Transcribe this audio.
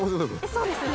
そうですね。